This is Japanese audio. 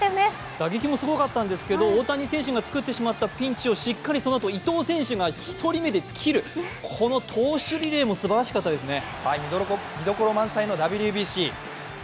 打撃もすごかったんですけど、大谷選手が招いてしまったピンチをしっかりそのあと伊藤選手が１人目で切る、この投手リレーもすばらしかったですね。